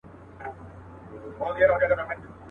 کله کله به خبر دومره اوږده سوه.